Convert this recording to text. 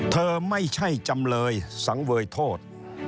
เธอไม่ใช่จำเลยสังเวยโทษ